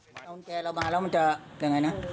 กุญแจเรามาแล้วมันจะเป็นอย่างไรนะ